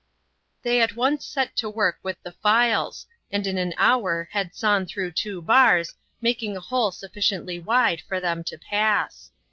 They at once set to work with the files, and in an hour had sawn through two bars, making a hole sufficiently wide for them to pass.